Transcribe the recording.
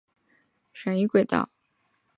右图为将太空船从低轨道的霍曼转移轨道。